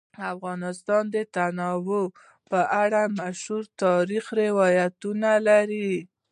افغانستان د تنوع په اړه مشهور تاریخی روایتونه لري.